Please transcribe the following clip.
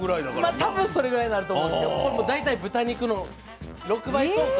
多分それぐらいになると思いますけどこれ大体豚肉の６倍相当。